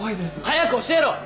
早く教えろ！